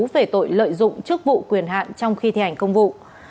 về tội lợi dụng chức vụ quyền hạn trong khi thi hành công vụ